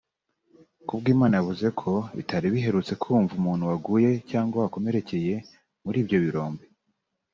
Kubwimana yavuze ko bitari biherutse kumva umuntu waguye cyangwa wakomerekeye muri ibyo birombe